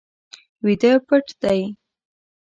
ویده پټ دی